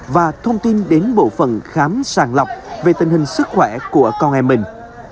và thông tin đến bộ phận khám sàng lọc về tình hình sức khỏe của con em mình